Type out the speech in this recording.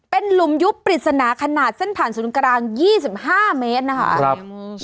เป็นหลุมยุบปริศนาขนาดเส้นผ่านศูนย์กลาง๒๕เมตรนะคะ